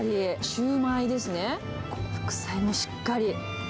シューマイですね、副菜もしっかり。